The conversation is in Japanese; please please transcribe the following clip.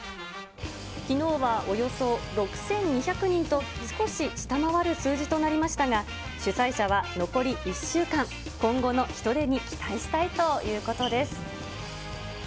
きのうはおよそ６２００人と、少し下回る数字となりましたが、主催者は、残り１週間、今後の人出に期待したいということです。